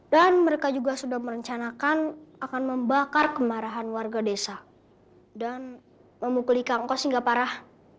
dan mereka juga sudah merencanakan akan membakar kemarahan warga desa dan memukulkan engkau sehingga parah